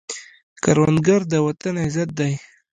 کروندګر د وطن عزت دی